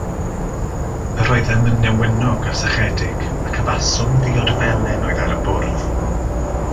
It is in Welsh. Yr oeddem yn newynog a sychedig, ac yfasom ddiod felen oedd ar y bwrdd.